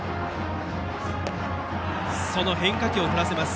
その変化球を振らせます。